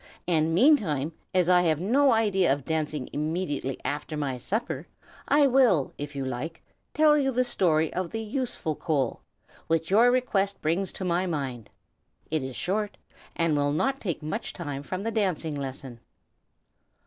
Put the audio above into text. And meantime, as I have no idea of dancing immediately after my supper, I will, if you like, tell you the story of the Useful Coal, which your request brings to my mind. It is short, and will not take much time from the dancing lesson."